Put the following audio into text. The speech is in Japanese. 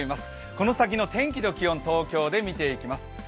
この先の天気と気温、東京で見ていきます。